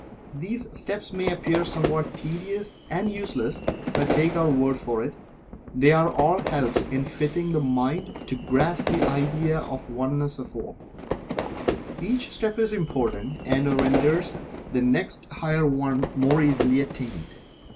These steps may appear somewhat tedious and useless, but take our word for it, they are all helps in fitting the mind to grasp the idea of the Oneness of All. Each step is important, and renders the next higher one more easily attained.